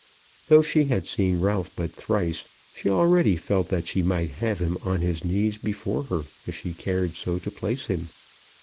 Though she had seen Ralph but thrice, she already felt that she might have him on his knees before her, if she cared so to place him.